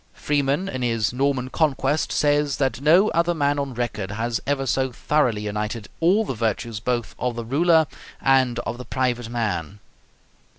Freeman in his 'Norman Conquest' says that "no other man on record has ever so thoroughly united all the virtues both of the ruler and of the private man."